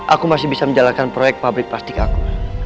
aku masih bisa menjalankan proyek pabrik plastik aku